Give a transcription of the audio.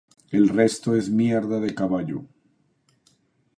El resto es mierda de caballo.